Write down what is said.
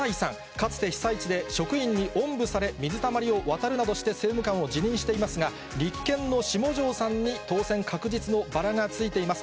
かつて被災地で職員におんぶされ、水たまりを渡るなどして政務官を辞任していますが、立憲の下条さんに当選確実のバラがついています。